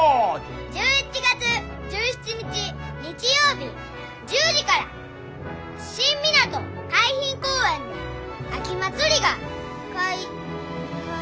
１１月１７日日曜日１０時から新港海浜公園で秋まつりがかいかい。